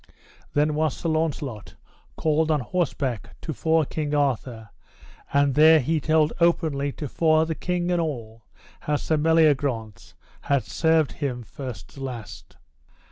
Then was Sir Launcelot called on horseback to fore King Arthur, and there he told openly to fore the king and all, how Sir Meliagrance had served him first to last.